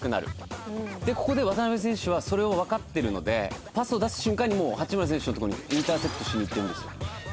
ここで、渡邊選手はそれをわかってるのでパスを出す瞬間にもう、八村選手のとこにインターセプトしにいってるんですよ。